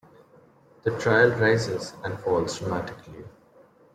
The trail rises and falls dramatically.